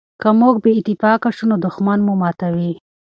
که موږ بې اتفاقه شو نو دښمن مو ماتوي.